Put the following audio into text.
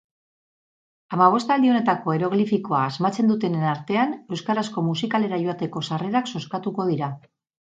Hamabostaldi honetako eroglifikoa asmatzen dutenen artean euskarazko musikalera joateko sarrerak zozkatuko dira.